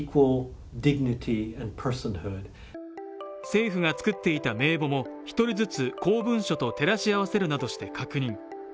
政府が作っていた名簿も１人ずつ、公文書と照らし合わせるなどして確認。